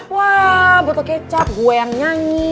wah butuh kecap gue yang nyanyi